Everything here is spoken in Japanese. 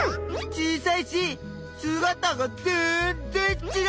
小さいしすがたが全然ちがう！